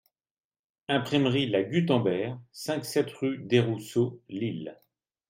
Imprimerie LA GUTENBERG, cinq-sept rue Desrousseaux, Lille.